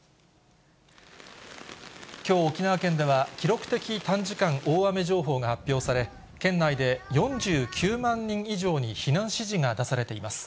きょう、沖縄県では記録的短時間大雨情報が発表され、県内で４９万人以上に避難指示が出されています。